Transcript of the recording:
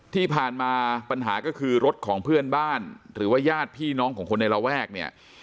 ที่ผ่านมาปัญหาก็คือรถของเพื่อนบ้านหรือว่าญาติพี่น้องของคนในระแวกเนี่ย